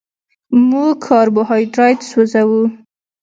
موږ کاربوهایډریټ سوځوو